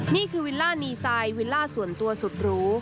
นี่คือวิลล่าดีไซน์วิลล่าส่วนตัวสุดหรู